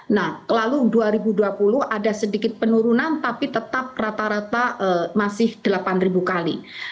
nah lalu dua ribu dua puluh ada sedikit penurunan tapi tetap rata rata masih delapan ribu kali